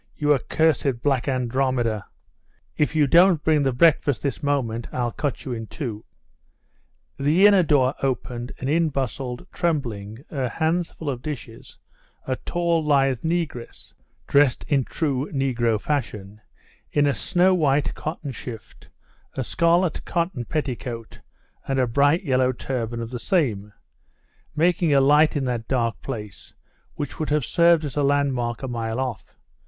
You accursed black Andromeda, if you don't bring the breakfast this moment, I'll cut you in two!' The inner door opened, and in bustled, trembling, her hands full of dishes, a tall lithe negress, dressed in true negro fashion, in a snow white cotton shift, a scarlet cotton petticoat, and a bright yellow turban of the same, making a light in that dark place which would have served as a landmark a mile off.